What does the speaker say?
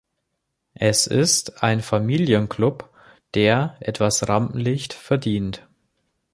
Es ist ein Familienclub, der etwas Rampenlicht verdient.